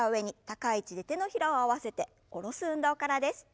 高い位置で手のひらを合わせて下ろす運動からです。